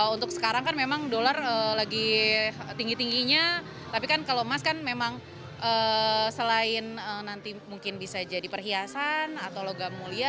untuk sekarang kan memang dolar lagi tinggi tingginya tapi kan kalau emas kan memang selain nanti mungkin bisa jadi perhiasan atau logam mulia